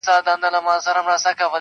چي د مرګ دام ته لوېدلې وه بېځایه -